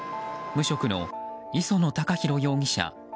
無職の磯野貴博容疑者